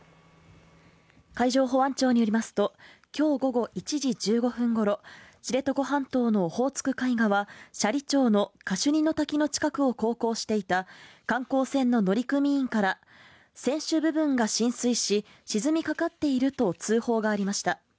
海上保安庁によりますと、今日午後１時１５分ごろ知床半島のオホーツク海側、斜里町のカシュニの滝の近くを航行していた観光船の乗組員から、船首部分が浸水し沈みかかっていると通報がありました。